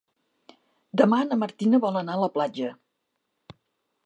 Demà na Martina vol anar a la platja.